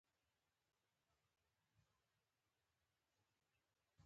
د محصل لپاره ازموینه ستره ننګونه ده.